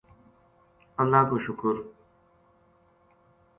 اللہ کو شکر